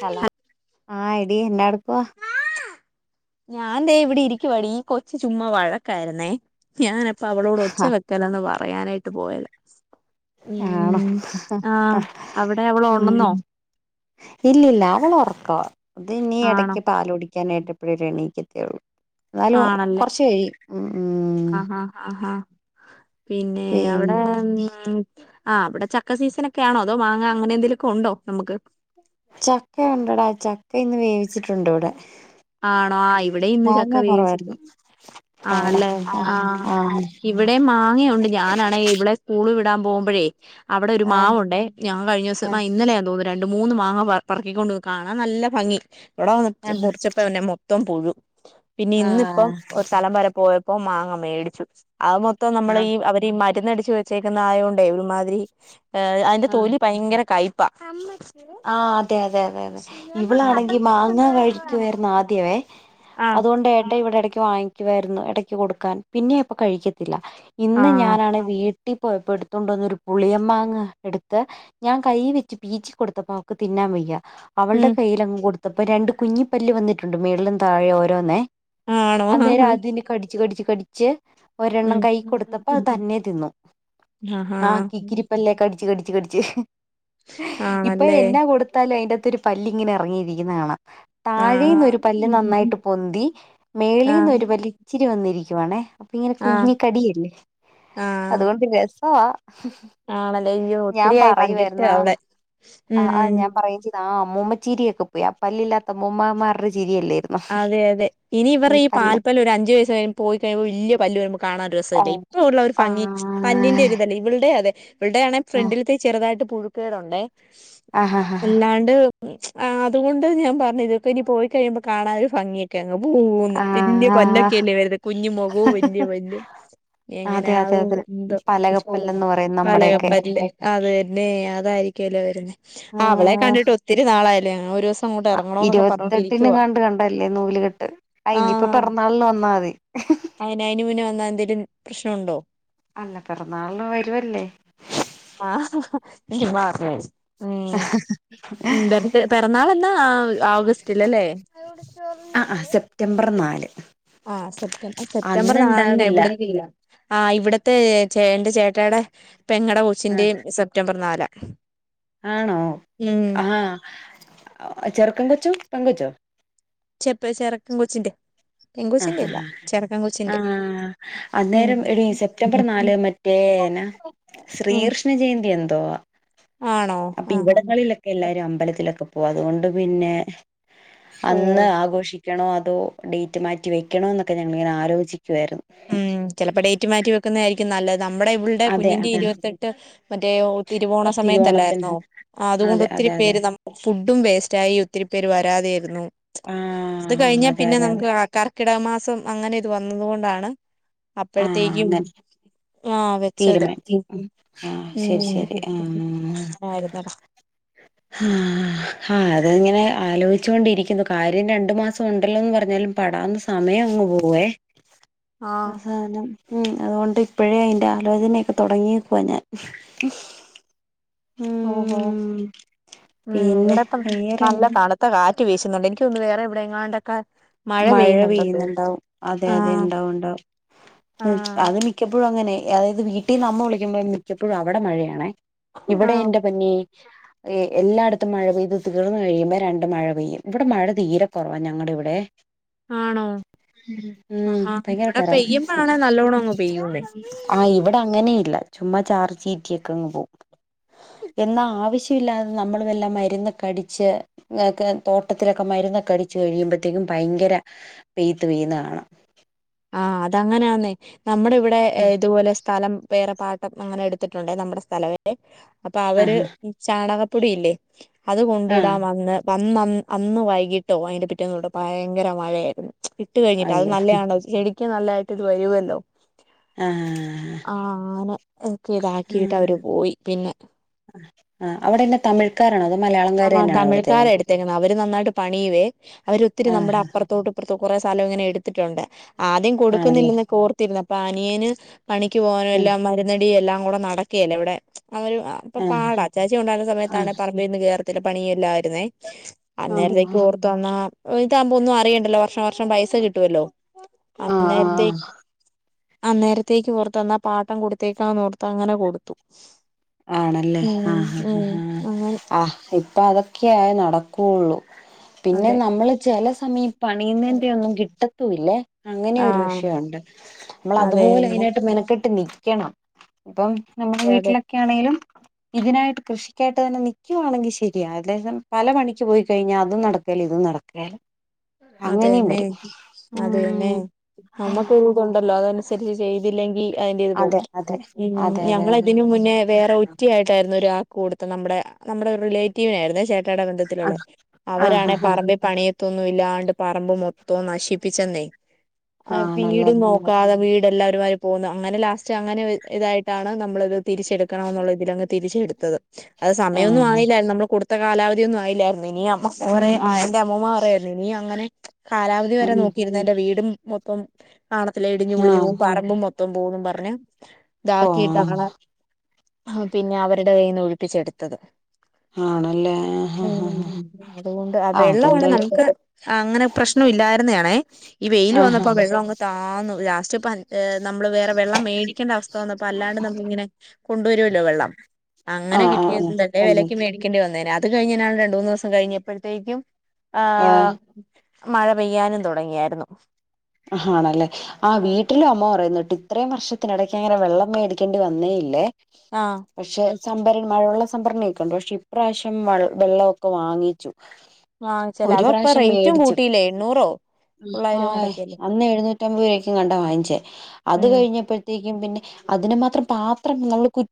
Hello ആ എടി എന്നാടുക്കുവാ ഞാൻതേ ഇവിടെ ഇരിക്കുവാടി ഈ കൊച്ച് ചുമ്മാ വഴക്കായിരുന്നേ ഞാനപ്പ അവളോട് ഒച്ച വെക്കലന്ന് പറ പറയാനായിട്ട് പോയല്ല ആണോ ഉം ആ അവിടെ അവളൊണന്നോ ഇല്ലല്ല അവള് ഉറക്കാ അത് ഇനി ആണോ എടക്ക് പാലു കുടിക്കാനായിട്ട് എപ്പഴേലും എണീക്കത്തേയുള്ളു എന്നാലും ആണല്ലേ കുറച്കഴി ഉം ഉം ആഹാ ആഹാ പിന്നെ അവിടെ ഉം ആഹ് അവിടെ ചക്ക സീസൺ ഒക്കെ ആണോ അതോ മാങ്ങ അങ്ങനെ എന്തെങ്കലുമൊക്കെ ഉണ്ടോ നമുക്ക് ചക്ക ഉണ്ടടാ ചക്ക ഇന്ന് വേവിച്ചിട്ടുണ്ട് ഇവിടെ ആണോ ആ ഇവിടെ ഇന്ന് ചക്ക മാങ്ങ വേവിച്ച് കൊറവായിരുന്നു പോയി ആണോ ആണല്ലേ ആ ആഹ് ആഹ് ഇവിടെ മാങ്ങയുണ്ട് ഞാനാണെ ഇവളെ സ്കൂള് വിടാൻ പോകുമ്പോഴേ അവിടെ ഒരു ആഹ് മാവുണ്ടേ ഞാൻ കഴിഞ്ഞ ദിവസം ആഹ് ഇന്നലെയാതോന്നുന്നു രണ്ട് മൂന്ന് മാങ്ങ പറക്കീക്കൊണ്ട് കാണാൻ നല്ല ഭംഗി ആഹ് ഇവിടെ പിന്നെ മൊത്തം പുഴു പിന്നെ ഇന്നിപ്പം ആഹ് ഒരു സ്ഥലം വരെ പോയപ്പോ മാങ്ങ മേടിച്ചു അത് മൊത്തം നമ്മൾ ആഹ് ഈ അവര് മരുന്നടിച്ചു വെച്ചേക്കുന്ന ആയൊണ്ടേ ഒരുമാതിരി അതിന്റെ ആഹ് തൊലി ഭയങ്കര കയ്പാ ആഹ് അതെ അതെ അതെ അതെ ഇവളാണെങ്കി മാങ്ങ കഴിക്കുമായിരുന്നു ആദ്യം മവേ ആഹ് അതുകൊണ്ട് ഏട്ടാ ഇവിടെ ഇടക്ക് വാങ്ങിക്കുവായിരുന്നു ഇടക്ക് കൊടുക്കാൻ പിന്നെ അപ്പ കഴിക്കത്തില്ല ഇന്ന് ആഹ് ഞാനാണ് വീട്ടിൽ പോയപ്പോ എടുത്തണ്ട് വന്ന ഒരു പുളിയമാങ്ങ എടുത്ത് ഞാൻ കൈ വെച്ച് പി ജി കൊടുത്തപ്പോ അവക്ക് തിന്നാൻ വയ്യ അവളുടെ ഉം കയ്യിൽങ്ങ് കൊടു പ്പോ രണ്ട് കുഞ്ഞിപ്പല്ല് വന്നിട്ടുണ്ട് മേുകളിലും താഴെ ഓരോന്നെ ആണോ അന്നേരം ആഹ് അതിടി കടിച്ച് കടിച്ച് കടിച്ച് ഒരെണ്ണം ഉം കൈ കൊടുത്തപ്പോ അത് തന്നെ തിന്നു ആഹാ ആ കി കിരിപ്പല്ലേക്കടി ഇപ്പ ആണല്ലേ എന്നാ കൊടുത്താലും അതിത്ത് ഒരു പല്ലല് ഇങ്ങനെ ഇറങ്ങിയിരിക്കുന്ന കാണാ ത താഴന്നൊ ഒരു ആഹ് പല്ല് നന്നായിട്ട് പൊന്തി മേളിൽ നിന്നൊ ആഹ് ഒരു പല്ല് ഇച്ചിരി വന്നിരിക്കുവാണേ അപ്പൊ ഇങ്ങനെ ആഹ് കുഞ്ഞിക്കടിയല്ലേ ആഹ് അതുകൊണ്ട് രസവാ ആണല്ലേ അയ്യോ ഞാൻ ഒത്തിരിയായി പറയ കണ്ടിട്ട് വരുന്ന അവളെ ആ ഉം ആഹ് ഞാൻ പറയുംയും ചെയ ആഹ് അമ്മൂമ്മച്ചീരിയൊക്കെ പോയി ആ പല്ലില്ലാത്ത മ്മൂമ്മ അതെ അതെ ഇനി ഇവർ ഈ പല്ലൊക്കെ പൽപ്പല്ല് ഒരു അഞ്ച് വയസ്സ് കഴ്പ പോയിഴുമ്പോ വല്ല്യ പല്ല് കാണാനോ ഒരു ഓ രസമല്ല എത്ര ഉള്ള ഒരു ആ ഭംഗി പല്ലിന്റെ ഒരുതല ഇവളടെ അതെ ഇവടെ ആണേ ഫ്രണ്ടിലത്തെ ചെറുതായിട്ട് പുഴുക്കുകളുണ്ട് ആ ഹ ഹ അല്ലാണ്ട് അതുകൊണ്ട് ഞാൻ പറഞ്ഞു ഇതൊക്കെ ഇനി പോയിക്കഴിയുമ്പോ കാണാന ഒരു ഭംഗിയൊക്കെ അ പോന്ന് ആ വലിയ ആ പല്ലൊക്കെല്ലേ വരുന്ന കുഞ്ഞുമ മുഖവും വലയ വല്യ എങ്ങനെ അതെ ആ അതെ അതെ എന്തോ പലകപ്പല്ലെന്ന് പറയും നമ്മുടെയൊക്കെ പലകപ്പ അത് തന്നെ അതായി ആ അവളെ കണ്ടിട്ട് ഒത്തിരി നാളായല്ലേ ഒരു ദിവസം അങ്ങോട്ട് ഇറങ്ങണ എന്നൊക്കെ പറഞ്ഞോണ്ടിരിക്കുവവാ ണ്ട് കണ്ടല്ലേ നൂല് കെട്ട് ഇനിയിപ്പോ പിറന്നാളി വന്നാൽ മതി പ്രശ്നമുണ്ടോ അല്ല പിറന്നാളിന് വരുവല്ലേ മാ [unintelligible] ആ ഉ പിറന്നാൾ എന്നാ ഓഗസ്റ്റിൽ അല്ലേ ആഹ് ആഹ് സെപ്റ്റംബർ നാല് ആ സെപ്റ്റംബർ നാല് അന്നുണ്ടാവില്ല ഇവിട ഇവിടെ മ ചേ എന്റെ ചേട്ടയുടെ പെങ്ങുടെ ആ പകൊച്ചിന്റെയും സെപ്റ്റംബർ നാല ആണോ ആഹ് ചെറുക്കം കൊച്ചോ പങ്കൊച്ചോ ചെപ്പ ചറക്കൻ കൊച്ചിന്റെ പെങ്കൊച്ചിന്റെ ആഹ് അല്ല ചെറക്കൻ കൊച്ചിന്റെ ആഹ് ഉം അന്നേരം എടി സെപ്റ്റംബർ നാല് മറ്റേ ഉം ശ്രീകൃഷ്ണ ജയന്തി എന്താ ആണോ അപ്പൊ ആഹ് ഇവിടങ്ങളിലൊക്കെ എല്ലാരും അ അമ്പലത്തിലൊക്കെ പോ അതുകൊണ്ട് പിന്നെ ഓ അന്ന് ആഘോഷിക്കണോ അതോ ഡ മാറ്റ മാറ്റിവെക്കണ എന്നൊക്കെഞങ്ങിങ്ങന ആലോചിക്കുായിരുന്നു ഉം ചിലപ്പോ ഡേറ്റ് മാറ്റി വെക്കുന്നതായിരിക്കും നല്ലത് നമ്മുടെ ഇളടെ അതെ കുഞ്ഞിന്റെ അതെ ഇരുപത്തെട്ട് മറ്റേ തിരുവോണ തിരുവോണത്തിന് സമയത്തല്ലായിരുന്നോ അതൊണ്ട് അതെ ഒത്തിരി അതെ അതെ പേര് നമ്മക്ക് ഫുഡും വേസ്റ്റായി ഒത്തിരി പേര് വരാതെരുന്നു അത് ആഹ് കഴിഞ്ഞാ അതെ പിന്നെ അതെ അതെ നമുക്ക് കർക്കിടക മാസം അങ്ങനെ ഇത് വന്നത് കൊണ്ടാണ് ആഹ് അപ്പോഴത്തേക്കും അങ്ങനെ ആഹ് വെച്ചത് തീരുമാനിച്ചു ആഹ് ശരി അങ്ങായിരുന്നടാ ഉ [unintelligible] ആ ആഹ് അതങ്ങനെ ആലോചിച്ചു കൊണ്ടിരിക്കുന്നു കാര്യം രണ്ടു മാസം ഉണ്ടല്ലോന്ന് പറഞ്ഞാൽ പടാന്ന് സമയം അങ്ങ് പോവേ ആഹ് അസ ഉം അതുകൊണ്ട് ഇപ്പോഴേ അതിന്റെ ആലോചനൊക്കെ തുടങ്ങിക്കവാ ഞാൻ ഓഹോ ഉം ഉം പിന്നെ ഇവിടെ ഇപ്പം നല്ല വേറെന്നാ താണുത്ത കാറ്റ് വീശുന്നുണ്ട് എനിക്കൊന്ന് വേറെ എവിടെ എങ്ങാണ്ടക്ക മഴ പെയ്യുന്നുണ്ടാവും അതെ അതെ ആഹ് ഉണ്ടാവുംണ്ടാവും. ആഹ് അത് മിക്കപ്പോഴും അങ്ങനെ അതായത് വീട്ടിൽ നമ്മ വിളിക്കുമ്പോഴ മിക്കപ്പോഴും അവിടെ മഴയാാണ് ഇവിടെ ആഹ് എൻറെ പന്നേ ഏ എല്ലായിടത്തും മഴ പെയ്ത് തീർന്നു കഴിയുമ്പോ രണ്ട് മഴ പെയ്യും ഇവിടെ മഴ തീരെ കുറവാ ഞങ്ങളുടെ ഇവിടെ ആണോ ഉ ആഹാ ഭയങ്കര ഇവിടെ പറയാം പെയ്യുമ്പോഴാണെ നല്ലോണം അങ്ങ് പെയ്യൂന്നേ ആ ഇവിടെ അങ്ങനെ ഇല്ല ചുമ് ചാർജ് ചീറ്റക്കെ അങ്ങ് പോവും എന്നാ ആവശ്യമ ഇില്ലാതെ നമ്മള എല്ലാം മരുന്ന് കടിച്ച് തോട്ടത്തിലൊക്കെ മരുന്ന് കടിച്ച് കഴിയുമ്പോഴത്തേക്കും ഭയങ്കര വെയ്ത്ത് പെയുന്ന കാണാം ആഹ് അതങ്ങനെയാന്നേ നമ്മുടെ ഇവിടെ ഇതുപോലെ സ്ഥലം പേറെ പാട്ടം അങ്ങനെ എടുത്തിട്ടുണ്ട് നമ്മുടെ സ്ഥലവെ അപ്പൊ അവര് ആഹ് ചാണക പ്പടിയില്ലേ അത് ആഹ് കൊണ്ടിടാൻ വന്ന് വന്ന് അന്ന് വൈകിട്ടോ അതിന്റെ റ്റന്നൂ ഭയങ്കര മഴയായിരുന്നു ഇട്ട് കഴിഞ്ഞിട്ട് അത് അയ്യോ നല്ലതയാണ്ടോ ചെടിക്ക് നല്ലതായിട്ട് ഇത് വരുല്ലോ ആഹ ഇതാക്കിട്ട് അവര് പോയി പിന്നെ ആ അവിടെന്നെ തമിഴക്കാർ ആ തമിഴക്കാരർ എടുത്തേക്കുന്ന അവര് നന്നായിട്ട് പണിയവേ അവര് ഒത്തിരി നമ്മുടെ ആഹ് അപ്പുറത്തോട്ട്പ്പുറത്ത കുറെേ സ്ഥലം ഇങ്ങനെ എടുത്തിട്ടുണ്ട് ആദ്യം ആണല്ലേ കൊടുക്കുന്നില്ല എന്നൊക്കെ ഓർത്തിരുന്നു അപ്പൊ അനിയന് പണിക്ക് പോകാനും ആഹ് എല്ലാം മരുന്നടിയും എല്ലാം കൂടെ നടക്കുകല്ലേ ഇവിടെ അവര് ഇപ്പൊ ആഹ് പാടാ ചേച്ചി ഉണ്ടായിരുന്ന സമയത്താണെ ആഹ് പറമ്പിലൊന്നും കേറത്തില്ല പണിയല്ലായിരുന്നേ ആഹ് അന്നേരേക്ക് ഓർത്ത് അന്നാ ഇതാകുമ്പോ ഒന്നും അറിയണ്ടല്ലോ വർഷാ വർഷം പൈസ കിട്ടുവല്ലോ ആഹ് അന്നേതേ ആഹ് അന്നേരത്തേക്ക് ഓർത്തു എന്നാ പാട്ടം കൊടുത്തേക്കാന്ന് ഓർത്തു അങ്ങനെ കൊടുത്തു ആണല്ലേ ഉം ആഹ് ഹ ഉം ഹ ഹാ അങ്ങനെ ആ ഇപ്പ അതൊക്കെയാ നടക്കുള്ളൂ പിന്നെ അതെ നമ്മള് ചില സമീ പണിയുന്നതിന്റെ ഒന്നും കിട്ടത്തൂല്ലേ അങ്ങനെ ഒരു ആഹ് വിഷയുണ്ട് നമ്മൾ അതെ അതുപോലെ അതെ അതിനായിട്ട് മെനക്കെട്ട് നിക്കണം അപ്പം നമ്മുടെ അതെ വീട്ടിലൊക്കെ ആണേലും ഇതിനായിട്ട് കൃഷിക്കായിട്ട് തന്നെ നിക്കുവാണെങ്കിൽ ശരിയാ അല്ലാതെ പല പണിക്ക് പോയി കഴിഞ്ഞാൽ അതും നടക്കേല്ല ഇ തും നടക്കേല അങ്ങനെയും വരും അത തന്നെ ഉം നമ്മുക്കൊരു ഇതുണ്ടല്ലോ അതനുസരിച്ച് ചെയ്തില്ലെങ്കിൽ അതിൻ്റേത് അതെ പോകും അതെ ഉം അതെ അതെ അതെ ഞങ്ങളതിനു മുന്നേ വേറെ ഒ റ്റിയായിട്ടായിരുന്നു ഒരാ ക്ക് കൊടുത്തെ നമ്മുടെ നമ്മുടെ റിലേറ്റീവിനായിരുന്നേ ചേ ട്ടായിടെ ബന്ധത്തിലുള്ളെ ആഹ് ആഹ് അവരാണെ ആഹ് പറമ്പിൽ പണിയെത്തൊ ന്നു ഇല്ലാണ്ട് പറമ്പ് മൊത്തവും നശിപ്പിച്ചെന്നെ ആ ആഹ് ആണല്ലേ വീടും നോക്കാതെ വീട് എല്ലാരും - ര് പോന്നു അങ്ങനെ ലാസ്റ്റ് അങ്ങനെ ഇതായിട്ടാണ് നമ്മളത് തിരിച്ചെടുക്കണം എന്നുള്ള ഇതിലങ്ങ് തിരിച്ചെടുത്തത്- അത് സമയമൊന്നും ആഹ് ആയില്ലായിരുന്നു നമ്മള് കൊടുത്ത കാലാവധി ഒന്നും ആയില്ലായിരുന്നു ഇന അ എന്റെ അമ്മമാ പറയുവാ - അങ്ങനെ കാലാവധി വരെ നോക്കിയിന്ന എന്റെ വീടും മൊത്തം കാണത്തില്ല ഇടിഞ്ഞഞ് പൊളിഞ്ഞു ആഹ് പോകും പറമ്പും- മൊത്തം മൊത്തോം പോവുംന്ന് പറഞ്ഞ് ആഹ് ഇതാക്കിയിട്ടാണ് പിന്നെ അവരുടെ കയ്യിന്ന് ഒഴ- ഒപ്പിച്ചുച്ചെടുത്തത് ആണല്ലേ ആഹ് ആഹ് ആഹ് അതുകൊണ്ട് ആ ആഹ് വെള്ളമാണ്മാണ് അതെന്തായാലും നമുക്ക്- അങ്ങനെ പ്രശ്നം ഇല്ലായിരുന്നാണേ ഈ വെയിയില് ആഹ് വന്നപ്പോ വെള്ളം അങ്ങ് താന്നു ലാസ്റ്റ് ഇപ്പം - നമ്മള് വേറെ വെള്ളം മേടിക്കേണ്ട അവസ്ഥ വന്നപ്പോ അല്ലാണ്ട് നമ്മള് ഇങ്ങനെ കൊണ്ടുവരുമല്ലോ വെള്ളം അങ്ങനെ ആഹ് ആഹ് ആഹ് ആഹ് കിട്ടിയതുകൊണ്ടല്ലേ വിലയ്ക്ക് പഞ്ചായത്ത് മേടിക്കേണ്ടി വന്നേനെ അത് കഴിഞ്ഞ് രണ്ട് മൂന്ന് ദിവസം കഴിഞ്ഞപ്പോഴത്തേക്കും ആ- മഴ പെയ്യാനും തൊടങ്ങിയായിരുന്നു ആണല്ലേ ആ വീട്ടിലും അമ്മ പറയുന്ന കേട്ട് - ഇത്രയും വർഷത്തിനിടക്ക് അങ്ങനെ വെള്ളം മേടിക്കേണ്ടി വന്നേയില്ലേ ആഹ് പക്ഷെ- സംഭരണ മഴവെള്ള സംഭരണൊക്കെയുണ്ട് പക്ഷെ ഇപ്രാവശ്യം വ വെള്ളമൊക്കെ വാങ്ങിച്ചു വാങ്ങിച്ചല്ല ഒരു അതപ്പ പ്രാവശ്യം റേറ്റും മേടിച്ചും കൂട്ടിയില്ലേ എണ്ണൂറോ തൊള്ളായിരോ ആഹ് എങ്ങാണ്ടൊക്കെയല്ലേ അന്ന് എഴുന്നൂറ്റി അമ്പത് രൂപക്ക്‌ എങ്ങാണ്ട് ആ വാങ്ങിച്ചേ അത് ഉം കഴിഞ്ഞപ്പോഴത്തേക്കും പിന്നെ- അതിനുമാത്രം പാത്രം നമ്മള് കു -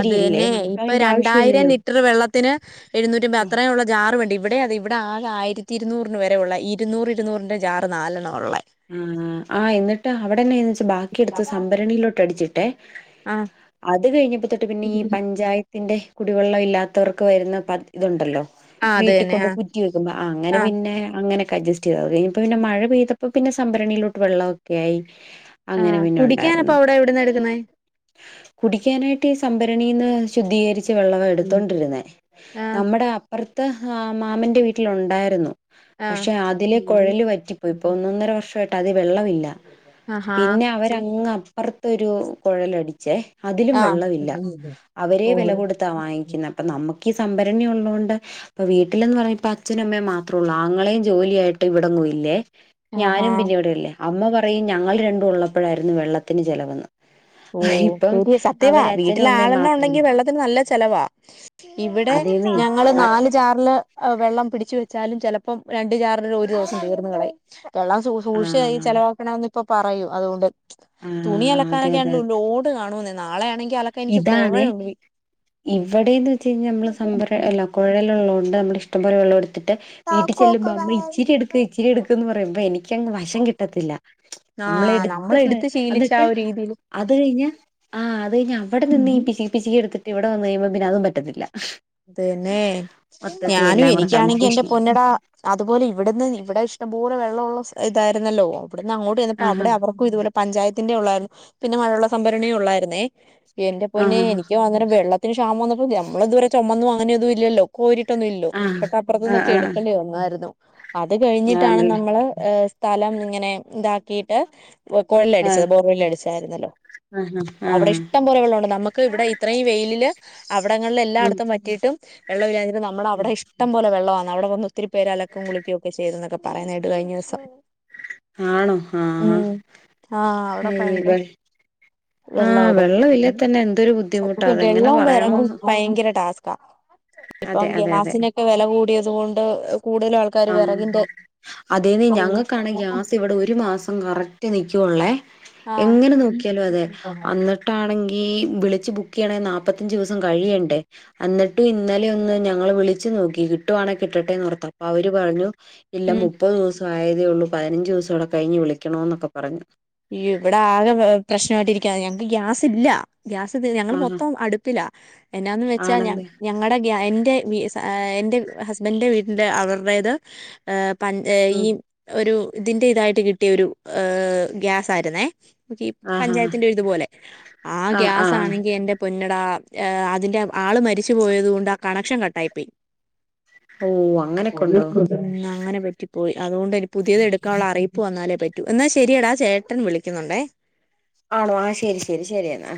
അത് തന്നെ ഇപ്പൊ രണ്ടായിരം ആവശ്യമില്ലല്ലോ ലിറ്റർ വെള്ളത്തിന് എഴുന്നൂറ്റിമ്പത് അത്രയും ഉള്ള ജാറ് വേണ്ടി- ഇവിടെ അത് ഇവിടെ ആകെ ആയിരത്തി ഇരുന്നൂറിന് വരെയുള്ള ഇരുന്നൂറ് ഇരുന്നൂറിന്റെ ജാറ് നാലണ്ണം- ആഹ് ആ എന്നിട്ട് അവിടെന്നെന്ന് വെച്ചാ ബാക്കിെടുത്ത് ആഹ് സംഭരണിയിലോട്ട് അടിച്ചിട്ട്- ആഹ് അത് കഴിഞ്ഞപ്പോ തൊട്ട് പിന്നെ ഈ പഞ്ചായത്തിന്റെ- കുടിവെള്ളം ഇല്ലാത്തവർക്ക് വരുന്ന പദ് ഇതുണ്ടല്ലോ അത് വീട്ടിൽ തന്നെ കൊണ്ട് ആഹ് കുറ്റി വെക്കുമ്പം അങ്ങനെ ആഹ് പിന്നെ അങ്ങനൊക്കെ അഡ്ജസ്റ്റ് ചെയ്ത് അത് കഴിഞ്ഞപ്പം പിന്നെ മഴ പെയ്ത അപ്പൊ പിന്നെ സംഭരണിയിലോട്ട് വെള്ളമൊക്കെ ആയി അങ്ങനെ ആഹ് പിന്നെ കുടിക്കാനപ്പ ഉണ്ടാരുന്നു അവിടെ എവിടുന്ന എടുക്കുന്നേ കുടിക്കാനായിട്ട് ഈ സംഭരണീന്ന് ശുദ്ധീകരിച്ച വെള്ളവാ എടുത്തോണ്ടിരുന്നേ ആഹ് നമ്മുടെ അപ്പറ അടുത്ത് ആഹ് മാമന്റെ വീട്ടില് ഉണ്ടായിരുന്നു ആഹ് പക്ഷെ അതില് കുഴല് വറ്റിപ്പോയി ഒന്നൊന്നര വർഷമായിട്ട് അതി വെള്ളമില്ല ആഹ് പിന്നെ അവരങ്ങ് അപ്പുറത്തൊരു കുഴലടിച്ചേ അതിലും ആഹ് വെള്ളമവില്ല അവരീ വില ഓഹ് കൊടുത്താ വാങ്ങിക്കുന്നെ അപ്പം നമ്മുക്കു ക്കീ സംഭരണി ഉള്ളതോണ്ട് ഇപ്പം വീട്ടിലെന്ന് പറഞ്ഞാ ഇപ്പ അച്ഛനും അമ്മയും മാത്രേ ഉള്ളൂ ആങ്ങളയും ജോലിയായിട്ട് ഇവിടൊന്നും പോയില്ലേ ആഹാ ഞാനും പിന്നെ ഇവിടില്ലേ അമ്മ പറയും ഞങ്ങൾ രണ്ടും ഉള്ളപ്പോഴായിരുന്നു വെള്ളത്തിന് ചെലവെന്ന് ഓ ഇപ്പം [unintelligible] സത്യവാ അവര് അച്ഛനും വീട്ടില് അമ്മയും ആളെല്ലാം ഉണ്ടെങ്കി മാത്രമല്ലേ വെള്ളത്തിന് നല്ല ചെലവാ ഇവിടെ അതേന്നേ ഞങ്ങള് നാല് ജാറില് വെള്ളം പിടിച്ച് വെച്ചാലും ചിലപ്പം രണ്ടു ജാറിൽ ഒരു ദിവസം തീർന്നുകളയും വെള്ളം സൂ സൂക്ഷയായി ആഹ് ചെലവാക്കണമെന്ന് ഇപ്പം പറയും അതുകൊണ്ട് ആഹ് അതെ ഇനി അതെ അങ്ങ് ലോഡ് കാണുമെന്നേ നാളെയാണെ ഇതാണേ ഇവിടേന്ന് വെച്ച് കഴിഞ്ഞാൽ നമ്മള് സംഭര അല്ല കുഴലുള്ള കൊണ്ട് നമ്മടെ ഇഷ്ടം പോലെ വെള്ളം എടുത്ത് ത്തിട്ട് വീട്ടിൽ ചെല്ലുമ്പം അമ്മ ഇച്ചിരി എടുക്ക് ഇച്ചിരി എടുക്കന്ന് പറയുമ്പം എനിക്കങ്ങ് വശം കിട്ടത്തില്ല നമ്മള് ആഹ് എടുത്ത് ശീലിച്ച ആ എന്നിട്ടാ ഒരു രീതിയില് അത് കഴിഞ്ഞാ ആഹ് അത് കഴിഞ്ഞാ അവിടെ ന്ന് ഈ പിശുക്കി പിശുക്കി എടുത്തിട്ട് ഇവിടെ വന്ന് കഴിയുമ്പം പിന്നെ അതും പറ്റത്തില്ല അതന്നെ മൊത്തത്തി ഞാനും എല്ലാം കൂടെ എനിക്കാണെങ്കി എൻറെ കൺഫ്യൂഷനായി പൊന്നടാ അതുപോലെ ഇവിടെന്ന് ഇവിടെ ഇഷ് ഇഷ്ടം പോലെ വെള്ളം ഉള്ള സ് ഇതായിരുന്നല്ലോ ഇവിടന്ന് അങ്ങോട്ട് ചെന്നപ്പോ ആഹ് അവടെ അവർക്കും ഇതേപോലെ പഞ്ചായത്തിന്റെ ഉള്ളായിരുന്നു പിന്നെ മഴവെള്ള സംഭരണിയേ ഉള്ളായിരുന്നേ എന്റെ പൊന്നെ ആഹ് എനിക്ക് അന്നേരം വെള്ള ത്തിന് ക്ഷാമം വന്നപ്പോ നമ്മളിതുവരെ ചുമന്നും അങ്ങനെയൊന്നും ഇല്ലല്ലോ കോരി ട്ടൊന്നും ഇല്ലല്ലോ ആഹ് ആഹ് തൊട്ടപ്പുറത്തൂന്നൊക്കെ ആഹ് എടുക്കേണ്ടി വന്നായിരുന്നു അത് കഴിഞ്ഞിട്ടാണ് ആണല്ലേ നമ്മള് ഏ സ്ഥലം ഇങ്ങനെ ഇതാക്കിയിട്ട് കൊ ആഹ് കൊഴലടിച്ചത് അടിച്ചായിരുന്നല്ലോ ആഹ് [unintelligible] അവിടെ ആഹ് ഇഷ്ടംപോലെ വെള്ളമുണ്ട് നമുക്ക് ഇവിടെ ഇത്രയും വെയിലില് അവിടങ്ങളില് എല്ലായിട ഉം പറ്റിയിട്ടും വെള്ളമില്ലാഞ്ഞത് ഉം നമ്മളവിടെ ഇഷ്ടം പോലെ വെള്ളവാ അവിടെ വന്ന് ഒത്തിരി പേര് അലക്കുവും കുളിക്കുവും ഒക്കെ ചെയ്തെന്നൊക്കെ പറയുന്ന കേട്ട് കഴിഞ്ഞ ദിവസം ആണോ ഉം ആഹ് ആഹ് അവിടെ ഭയങ്ക വെ വെള്ളം ആഹ് എടുക്കും ഇല്ലേ ഉം തന്നെ എന്തൊരു ബുദ്ധിമുട്ടാ സത്യത്തിൽ അതെങ്ങനെ വെള്ളവും വെറകും പറയണോന്ന് ഭയങ്കര ടാസ് ക്കാ ഇപ്പം അതെ അതെ അതെ ഗ്യാസിനൊക്കെ വില കൂടിയത് കൊണ്ട് കൂടുതലും ആൾക്കാര് വിറകിന്റെ അതേന്നേ ഞങ്ങൾക്കാണ് ഗ്യാസ് ഇവിടെ ഒരു മാസം കറക്റ്റ് നിൽക്കുവൊള്ളേ ആഹ് എങ്ങനെ നോക്കിയാലും അതെ അന്നിട്ടാണെങ്കി ഈ വിളിച്ച് ബുക്ക് ചെയ്യണേൽ നാല്പ്പത്തഞ്ച് ദിവസം കഴിയണ്ടേ അന്നിട്ടും ഇന്നലെ ഒന്ന് ഞങ്ങള് വിളിച്ച് നോക്കി കിട്ടുവാണെ കിട്ടട്ടേന്ന് ഓർത്ത് അപ്പൊ അവര് പറഞ്ഞു ഇല്ല ഉം മുപ്പത് ദിവസം ആയേ തേ ഉള്ളൂ പതിനഞ്ച് ദിവസോടെ കഴിഞ്ഞ് വിളിക്കണം എന്നൊക്കെ പറഞ്ഞ് ഇവിടെ ആകെ പ്രശ്ണായിട്ടിരിക്കാ ഞങ്ങക്ക് ഗ്യാസ് ഇല്ലാ ഗ്യാസ് തീർന്ന് ഞങ്ങള് ആഹാ മൊത്തം അടുപ്പിലാ എന്നാന്ന് വെച്ചാൽ ഞ ആണല്ലേ ഞങ്ങടെ എന്റെ വീ എന്റെ ഹസ്ബൻഡിന്റെ വീട്ടിന്റെ അവരുടേത് പണ്ടേ ഈ ഉം ഒരു ഇതിന്റെ ഇതായിട്ട് കിട്ടിയ ഒരു ഗ്യാസ് ആരുന്നേ കീം ആഹാ പഞ്ചായത്തിന്റെ ഒര് ഇതുപോലെ ആ ആഹ് ആഹ് ഗ്യാസ് ആഹ് ആണെങ്കി എന്റെ പൊന്നോ ണ്ടാണ് അതിന്റെ ആള് മരിച്ചു പോയത് കൊണ്ട് ആ കണക്ഷൻ കട്ടായിപ്പോയി ഉവ്വ അങ്ങനെ പറ്റിപ്പോയി അതുകൊണ്ട് ഇനി പുതിയത് എടുക്കാനുള്ള അറിയിപ്പ് വന്നാലേ പറ്റ് എന്നാ ശെരിയടാ ചേട്ടൻ വിളിക്കുന്നുണ്ടേ. ആണോ ആ ശെരി ശെരി ശരിയെന്നാ